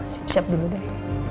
siap siap dulu deh